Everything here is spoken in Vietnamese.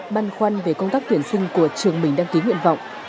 băn khoăn về công tác tuyển sinh của trường mình đăng ký nguyện vọng